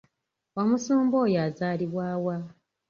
Omusumba oya azaalibwa wa?